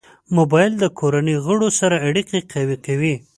موبایل د کورنۍ غړو سره اړیکه قوي کوي.